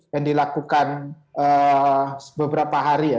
yang dilakukan beberapa hari ya